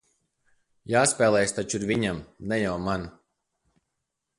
Jāspēlējas taču ir viņam, ne jau man!